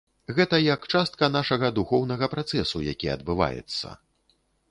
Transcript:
Гэта як частка нашага духоўнага працэсу, які адбываецца.